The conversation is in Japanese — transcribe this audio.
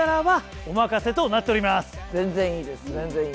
全然いいです。